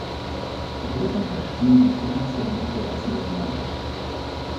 Worin bestehen die finanziellen Interessen der Gemeinschaft?